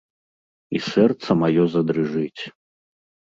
І сэрца маё задрыжыць.